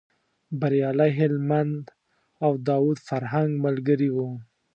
بریالی هلمند او داود فرهنګ ملګري و.